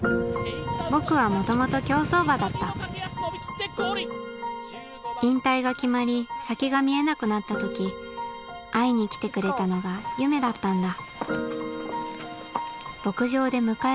僕は元々競走馬だった引退が決まり先が見えなくなった時会いに来てくれたのが夢だったんだ